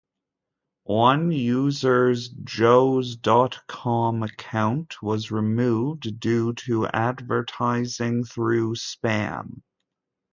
One user's joes dot com account was removed due to advertising through spam.